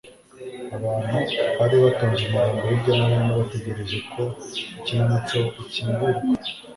abantu bari batonze umurongo hirya no hino bategereje ko ikinamico ikingurwa